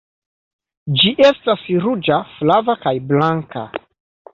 Ĝi estas ruĝa, flava, kaj blanka.